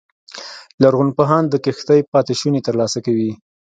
لرغونپوهان د کښتۍ پاتې شونې ترلاسه کوي